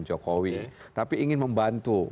jokowi tapi ingin membantu